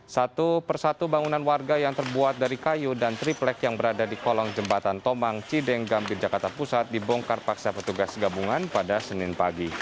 satu persatu bangunan warga yang terbuat dari kayu dan triplek yang berada di kolong jembatan tomang cideng gambir jakarta pusat dibongkar paksa petugas gabungan pada senin pagi